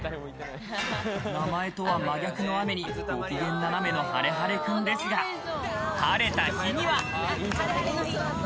名前とは真逆の雨に御機嫌ななめのはれはれ君ですが、晴れた日には。